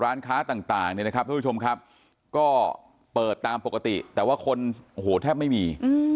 ร้านค้าต่างเนี่ยนะครับทุกผู้ชมครับก็เปิดตามปกติแต่ว่าคนโอ้โหแทบไม่มี